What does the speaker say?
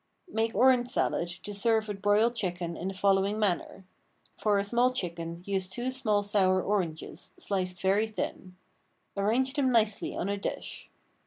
Make orange salad to serve with broiled chicken in the following manner: For a small chicken use two small sour oranges, sliced very thin. Arrange them nicely on a dish.